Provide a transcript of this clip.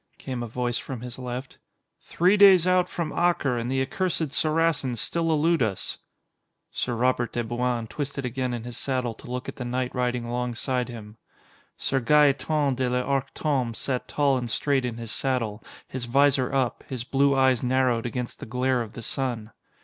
came a voice from his left. "Three days out from Acre, and the accursed Saracens still elude us." Sir Robert de Bouain twisted again in his saddle to look at the knight riding alongside him. Sir Gaeton de l'Arc Tombé sat tall and straight in his saddle, his visor up, his blue eyes narrowed against the glare of the sun.